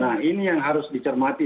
nah ini yang harus dicermati